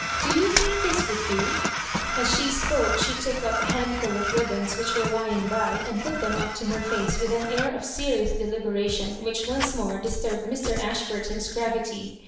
Do you think this would dot " As she spoke she took up a hand ful of ribbons which were lying by, and put them up to her face with an air of serious daliberation whidi once more disturbed Mr. Ashburton's gra vity.